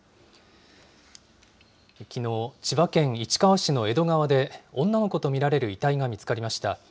きのう、千葉県市川市の江戸川で、女の子と見られる遺体が見つかりました。